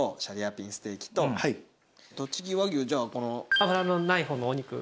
脂のない方のお肉で。